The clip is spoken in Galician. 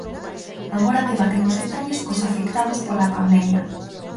Agora debaten os detalles cos afectados pola pandemia.